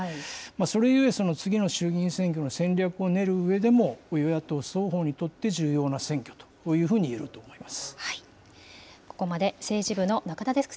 それゆえ、次の衆議院選挙の戦略を練るうえでも、与野党双方にとって重要な選挙というふうにいえると思います。